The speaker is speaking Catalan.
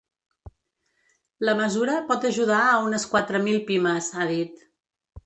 La mesura pot ajudar a unes quatre mil pimes, ha dit.